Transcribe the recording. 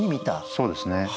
そうですね。